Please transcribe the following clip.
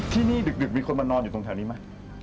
ที่นี่ดึกมีคนมานอนอยู่ตรงแถวนี้ไหม